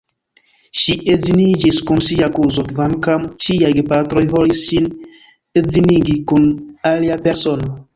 Ŝi edziniĝis kun sia kuzo, kvankam ŝiaj gepatroj volis ŝin edzinigi kun alia persono.